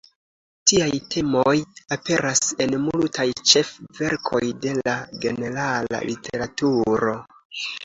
Tiaj temoj aperas en multaj ĉef-verkoj de la generala literaturo.